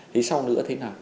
thế sau nữa thế nào